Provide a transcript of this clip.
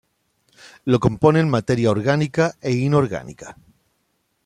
Lo componen materia orgánica e inorgánica.